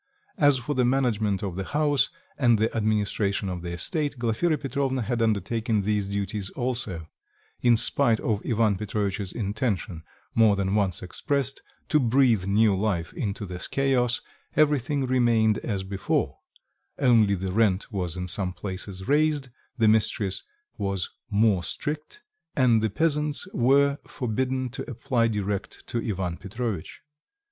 As for the management of the house, and the administration of the estate, Glafira Petrovna had undertaken these duties also; in spite of Ivan Petrovitch's intention, more than once expressed to breathe new life into this chaos, everything remained as before; only the rent was in some places raised, the mistress was more strict, and the peasants were forbidden to apply direct to Ivan Petrovitch.